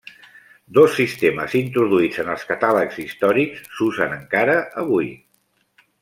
Dos sistemes introduïts en els catàlegs històrics s'usen encara avui.